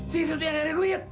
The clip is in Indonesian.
si satu yang nyeri luid